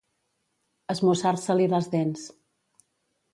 Esmussar-se-li les dents.